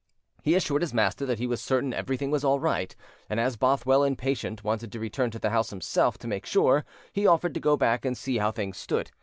He assured his master that he was certain everything was all right, and as Bothwell, impatient, wanted to return to the house himself, to make sure, he offered to go back and see how things stood.